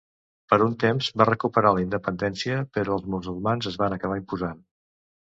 Per un temps va recuperar la independència però els musulmans es van acabar imposant.